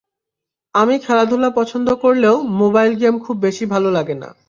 আমি খেলাধুলা পছন্দ করলেও মোবাইল গেম খুব বেশি ভালো লাগে না।